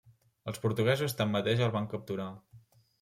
Els portuguesos tanmateix el van capturar.